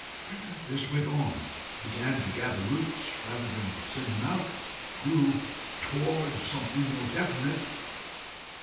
This went on, began to gather roots rather than send them out, grew towards something more definite.